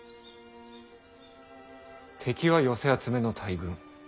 敵は寄せ集めの大軍。